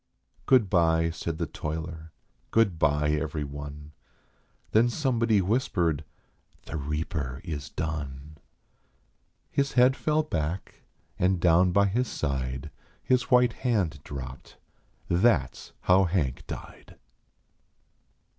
Good bye," said the toiler; "good bye every one." Then somebody whispered: " The reaper is done." His head fell back, and down by his side His white hand dropped. That s how Hank died.